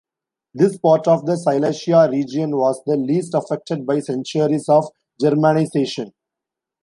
This part of the Silesia region was the least affected by centuries of germanisation.